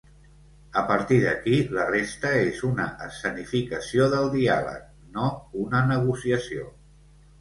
A partir d’aquí la resta és una escenificació del diàleg, no una negociació.